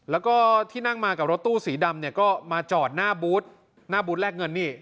แล้วก็ที่นั่งมากับรถตู้สีดำเนี่ยก็มาจอดหน้าบูธหน้าบูธแลกเงินนี่